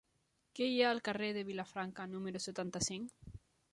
Què hi ha al carrer de Vilafranca número setanta-cinc?